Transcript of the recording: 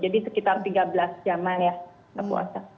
jadi sekitar tiga belas jam aja buasa